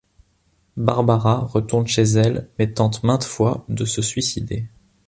Barbara retourne chez elle mais tente maintes fois de se suicider.